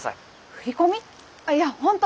あいや本当